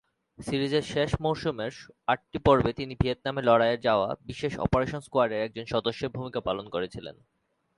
সিরিজের শেষ মরসুমের আটটি পর্বে তিনি ভিয়েতনামে লড়াইয়ে যাওয়া বিশেষ অপারেশন স্কোয়াডের একজন সদস্যের ভূমিকা পালন করেছিলেন।